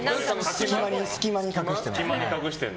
隙間に隠してます。